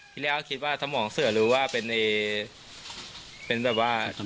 ที่แรกคิดว่าสมองเสือหรือว่าเป็นแบบว่า